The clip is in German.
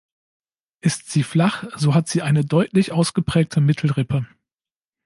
Ist sie flach, so hat sie eine deutlich ausgeprägte Mittelrippe.